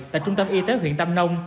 tại trung tâm y tế huyện tàm nông